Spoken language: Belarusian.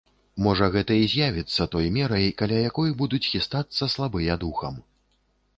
Можа, гэта і з'явіцца той мерай, каля якой будуць хістацца слабыя духам.